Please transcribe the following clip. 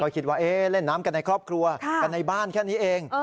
คิดว่าเล่นน้ำกันในครอบครัวกันในบ้านแค่นี้เอง